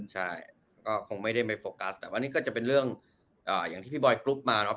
ใช่ก็คงไม่ได้ไม่โฟกัสแต่ว่านี่ก็จะเป็นเรื่องอย่างที่พี่บอยกรุ๊ปมาเนาะ